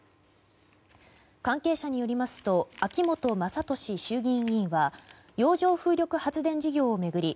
関係者によりますと秋本真利衆議院議員は洋上風力発電事業を巡り